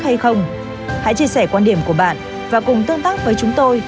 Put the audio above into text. hay không hãy chia sẻ quan điểm của bạn và cùng tương tác với chúng tôi